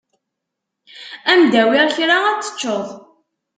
Ad m-d-awiɣ kra ad t-teččeḍ.